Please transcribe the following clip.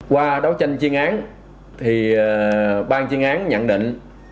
qua đấu tranh chiên án thì bang chiên án nhận định